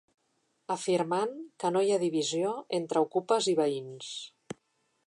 Afirmant que no hi ha ‘divisió entre ocupes i veïns’.